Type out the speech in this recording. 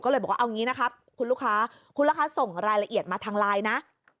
ก็เลยบอกว่าเอางี้นะครับคุณลูกค้าคุณลูกค้าส่งรายละเอียดมาทางไลน์นะ